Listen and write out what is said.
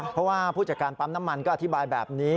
เพราะว่าผู้จัดการปั๊มน้ำมันก็อธิบายแบบนี้